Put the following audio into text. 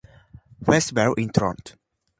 Festival in Toronto.